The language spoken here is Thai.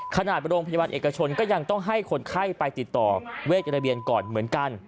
โรงพยาบาลเอกชนก็ยังต้องให้คนไข้ไปติดต่อเวทกระเบียนก่อนเหมือนกัน